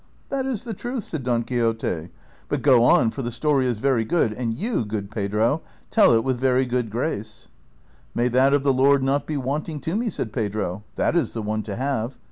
" That is the truth," said Don Quixote ;'^ but go on, for the story is very good, and you, good Pedro, tell it with very good a race." & li " May that of the Lord not be wanting to me," said Pedro ; that is the one to have.